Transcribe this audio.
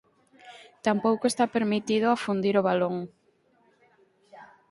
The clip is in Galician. Tampouco está permitido afundir o balón.